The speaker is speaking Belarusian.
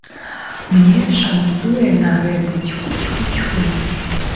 Мне шанцуе на гэта, цьфу-цьфу-цьфу.